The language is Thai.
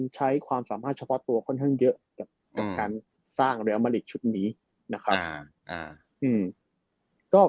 ใช้ความสามารถเฉพาะตัวค่อนข้างเยอะกับการสร้างเรียลมาริกชุดนี้นะครับ